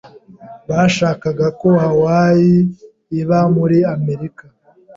Bashakaga ko Hawaii iba muri Amerika.